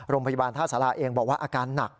โรงพยาบาลท่าสาราเองบอกว่าอาการหนัก